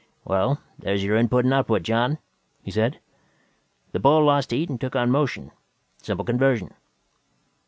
"Well, there's your input and output, John," he said. "The ball lost heat and took on motion. Simple conversion."